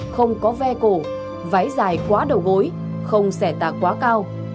không có ve cổ váy dài quá đầu gối không xẻ tạt quá cao